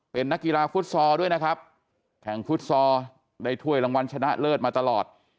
เป็นนักกีฬาฟุตซอลด้วยนะครับแข่งฟุตซอลได้ถ้วยรางวัลชนะเลิศมาตลอด